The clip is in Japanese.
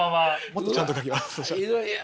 もっとちゃんと描きます。